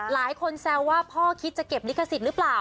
แซวว่าพ่อคิดจะเก็บลิขสิทธิ์หรือเปล่า